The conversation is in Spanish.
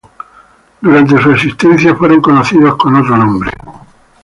Durante su existencia fueron conocidos con otros nombre.